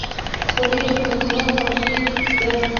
خولۍ د پښتنو خوښي ده.